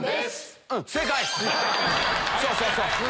そうそうそう！